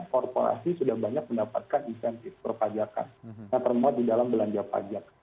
korporasi sudah banyak mendapatkan insentif perpajakan yang termuat di dalam belanja pajak